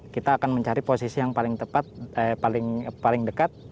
kita akan mencari posisi yang paling tepat paling dekat